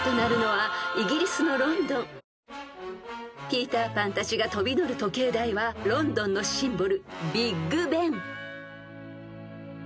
［ピーター・パンたちが飛び乗る時計台はロンドンのシンボルビッグベン］